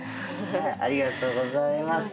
ありがとうございます。